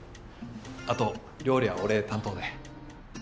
あと料理は俺担当で。